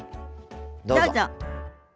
どうぞ。